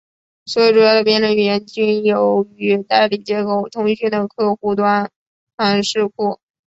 所有主要的编程语言均有与代理接口通讯的客户端函式库。